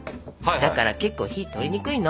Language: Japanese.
だからけっこう火通りにくいの。